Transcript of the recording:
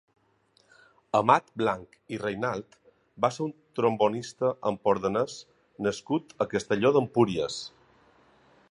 Amat Blanch i Reynalt va ser un trombonista empordanès nascut a Castelló d'Empúries.